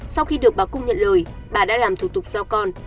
sau khi được bà cung nhận lời bà đã làm thủ tục giao con